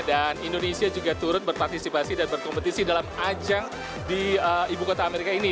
dan indonesia juga turut berpartisipasi dan berkompetisi dalam ajang di ibu kota amerika ini